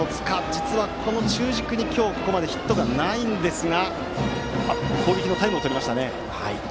実はこの中軸にここまでヒットがないんですが攻撃のタイムを取りましたね。